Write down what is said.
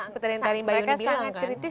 seperti yang tadi mbak yudi bilang kan